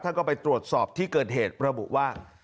ก็ไปตรวจสอบที่เกิดเหตุระบุว่า